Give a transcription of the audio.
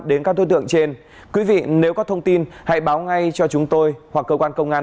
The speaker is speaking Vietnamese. đến các đối tượng trên quý vị nếu có thông tin hãy báo ngay cho chúng tôi hoặc cơ quan công an